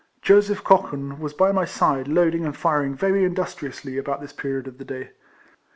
Joseph Cochan was by my side loading and firing very industri ously about this period of the day.